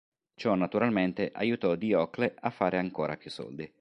Ciò naturalmente aiutò Diocle a fare ancora più soldi.